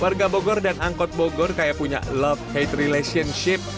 warga bogor dan angkot bogor kayak punya love hate relationship